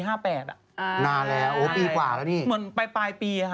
นานแล้วโอ้ปีกว่าแล้วนี่เหมือนปลายปี